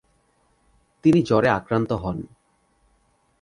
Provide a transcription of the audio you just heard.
তিনি জ্বরে আক্রান্ত হন।